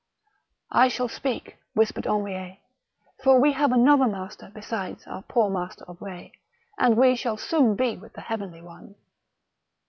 I shall speak," whispered Henriet; " for we have another master beside our poor master of Eetz, and we shall soon be with the heavenly one."